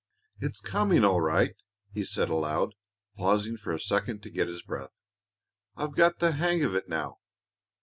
"It's coming all right," he said aloud, pausing for a second to get his breath. "I've got the hang of it now.